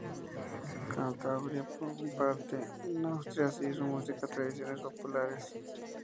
Cantabria comparte con Asturias su música y tradiciones populares.